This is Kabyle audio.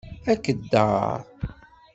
Akeddaṛ.